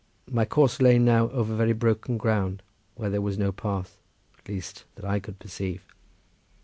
My course lay now over very broken ground, where there was no path—at least that I could perceive.